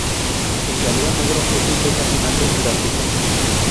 El galeón negro es el pez nacional de Sudáfrica.